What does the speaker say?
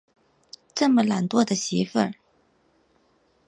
这么懒惰的媳妇